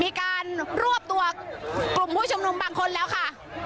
มีการรวบตัวกลุ่มผู้ชุมนุมบางคนแล้วค่ะ